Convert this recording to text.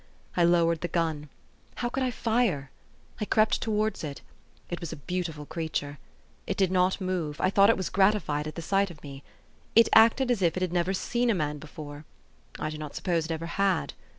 I lowered the gun. How could I fire? I crept towards it. It was a beautiful creature. It did not move : I thought it was gratified at the sight of me. It acted as if it had never seen a man before : I do not suppose it ever had.